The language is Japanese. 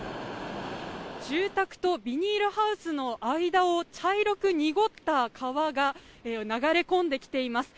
住宅とビニールハウスの間を茶色く濁った川が流れ込んできています。